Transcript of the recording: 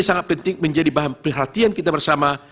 sangat penting menjadi bahan perhatian kita bersama